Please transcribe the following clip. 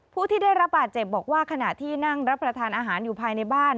ผู้ที่ได้รับบาดเจ็บบอกว่าขณะที่นั่งรับประทานอาหารอยู่ภายในบ้าน